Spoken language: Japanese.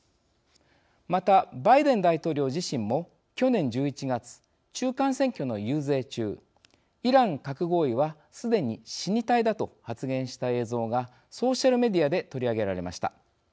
また、バイデン大統領自身も去年１１月、中間選挙の遊説中「イラン核合意はすでに死に体だ」と発言した映像がソーシャルメディアで取り上げられました。